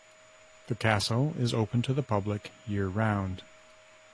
The castle is open to the public year-round.